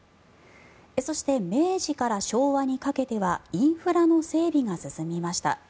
そして、明治から昭和にかけてはインフラの整備が進みました。